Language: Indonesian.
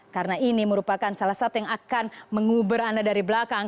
karena ini merupakan salah satu yang akan menguber anda dari belakang